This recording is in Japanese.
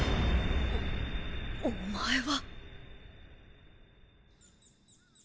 おお前は。